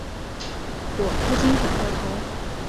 我不禁转过头